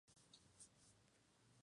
Aun así, todavía había esperanza.